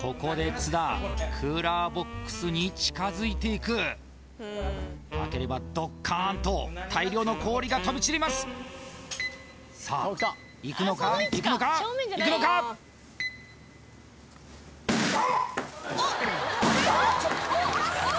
ここで津田クーラーボックスに近づいていく開ければどっかんと大量の氷が飛び散りますさあいくのかいくのかいくのかおお！